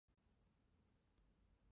其终点站迁往现址埃默里维尔市。